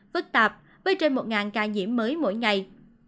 phức tạp với trên một ca nhiễm mới mỗi ngày